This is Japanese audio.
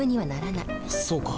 そうか。